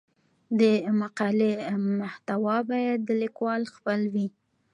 د مقالې محتوا باید د لیکوال خپل وي.